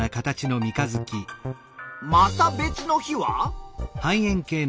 また別の日は？